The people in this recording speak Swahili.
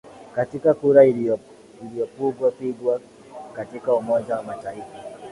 katika kura iliyopugwa pigwa katika umoja wa mataifa